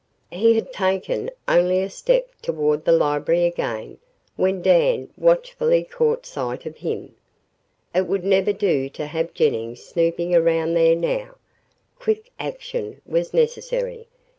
He had taken only a step toward the library again, when Dan watchfully caught sight of him. It would never do to have Jennings snooping around there now. Quick action was necessary.